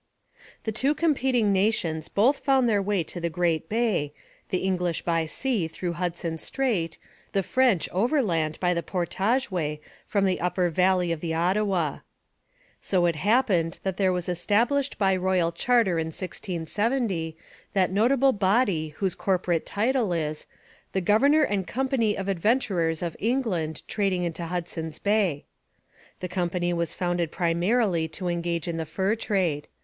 The two competing nations both found their way to the great bay, the English by sea through Hudson Strait, the French overland by the portage way from the upper valley of the Ottawa. So it happened that there was established by royal charter in 1670 that notable body whose corporate title is 'The Governor and Company of Adventurers of England, trading into Hudson's Bay.' The company was founded primarily to engage in the fur trade.